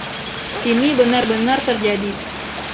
Ini benar-benar terjadi.